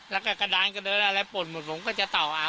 แล้วก็กระดานกระเดินอะไรป่นหมดผมก็จะเต่าเอา